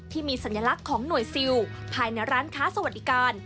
ที่มีสัญลักษณ์ของหน่วยซิลภายในร้านค้าสวัสดิการ